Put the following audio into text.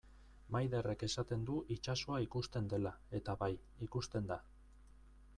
Maiderrek esaten du itsasoa ikusten dela, eta bai, ikusten da.